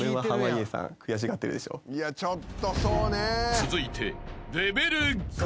［続いて］